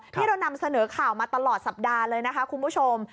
ที่เรานำเสนอข่าวมาตลอดสัปดาห์เลยนะคะคุณผู้ชม